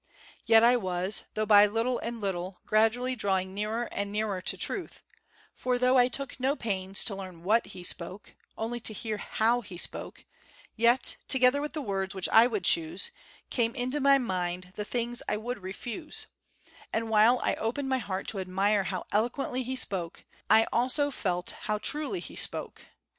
Yet I was, though by little and little, gradually drawing nearer and nearer to truth; for though I took no pains to learn what he spoke, only to hear how he spoke, yet, together with the words which I would choose, came into my mind the things I would refuse; and while I opened my heart to admire how eloquently he spoke, I also felt how truly he spoke.